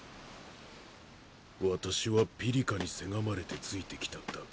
私はピリカにせがまれてついてきただけ。